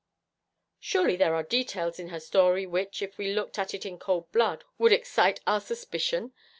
'Surely there are details in her story which, if we looked at in cold blood, would excite our suspicion.